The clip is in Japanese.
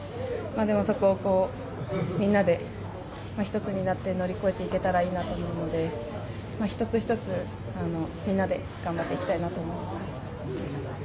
でも、そこをみんなで一つになって乗り越えていけたらなと思うので一つ一つ、みんなで頑張っていきたいなと思います。